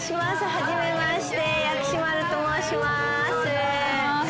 はじめまして薬師丸と申します。